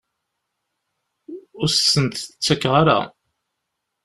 Ur asent-t-ttakkeɣ ara.